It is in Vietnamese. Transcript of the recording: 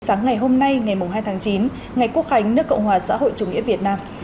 sáng ngày hôm nay ngày hai tháng chín ngày quốc khánh nước cộng hòa xã hội chủ nghĩa việt nam